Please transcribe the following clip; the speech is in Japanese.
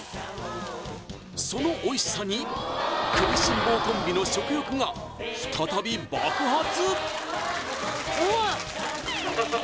そのおいしさに食いしん坊コンビの食欲が再び爆発！